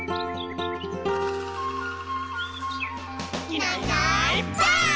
「いないいないばあっ！」